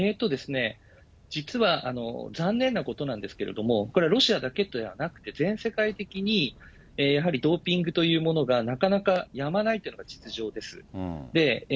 実は残念なことなんですけれども、これ、ロシアだけのことではなくて、全世界的にやはりドーピングというものがなかなかやまないというのが実情です。